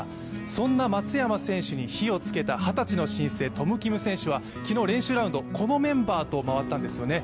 そんな松山選手に火をつけた二十歳の新星、トム・キム選手は昨日、練習ラウンド、このメンバーと回ったんですよね。